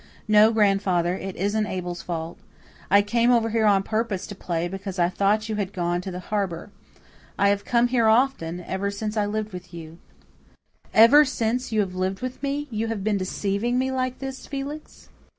"No, grandfather, it isn't Abel's fault. I came over here on purpose to play, because I thought you had gone to the harbour. I have come here often, ever since I have lived with you." "Ever since you have lived with me you have been deceiving me like this, Felix?"